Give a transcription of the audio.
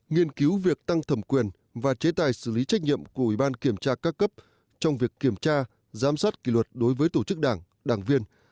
nghiên cứu việc tăng thẩm quyền và chế tài xử lý trách nhiệm của ủy ban kiểm tra các cấp trong việc kiểm tra giám sát kỷ luật đối với tổ chức đảng đảng viên